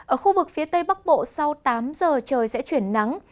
ở khu vực phía tây bắc bộ sau tám giờ trời sẽ chuyển nắng